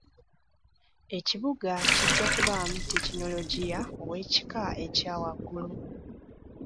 Ekibuga kijja kubaamu tekinologiya ow'ekika ekya waggulu.